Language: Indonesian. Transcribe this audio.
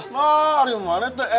nah gimana tuh eling